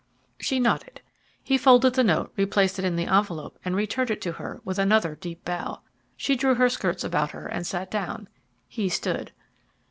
She nodded. He folded the note, replaced it in the envelope and returned it to her with another deep bow. She drew her skirts about her and sat down; he stood.